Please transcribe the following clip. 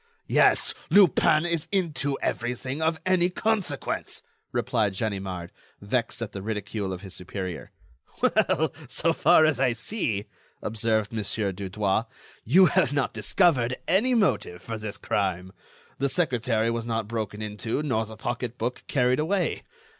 "Yes, Lupin is into everything of any consequence," replied Ganimard, vexed at the ridicule of his superior. "Well, so far as I see," observed Mon. Dudouis, "you have not discovered any motive for this crime. The secretary was not broken into, nor the pocketbook carried away.